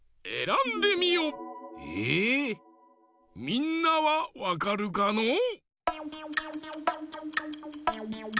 みんなはわかるかのう？